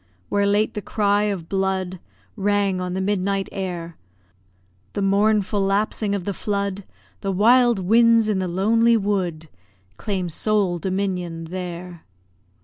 Where late the cry of blood Rang on the midnight air, The mournful lapsing of the flood, The wild winds in the lonely wood, Claim sole dominion there.